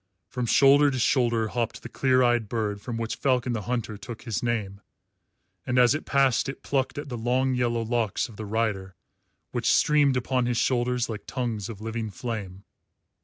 From shoulder to shoulder hopped the clear eyed bird from which Falcon the Hunter took his name, and as it passed it plucked at the long yellow locks of the rider, which streamed upon his shoulders like tongues of living flame.